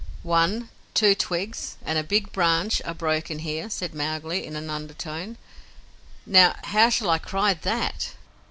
"One, two twigs and a big branch are broken here," said Mowgli, in an undertone. "Now, how shall I cry THAT?